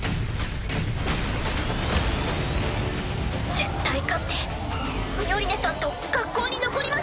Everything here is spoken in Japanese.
絶対勝ってミオリネさんと学校に残ります。